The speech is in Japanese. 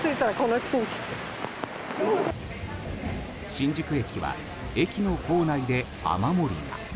新宿駅は駅の構内で雨漏りが。